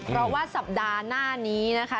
เพราะว่าสัปดาห์หน้านี้นะคะ